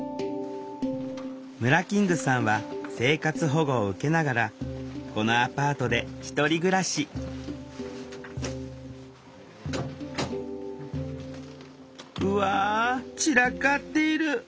ムラキングさんは生活保護を受けながらこのアパートで１人暮らしうわ散らかっている。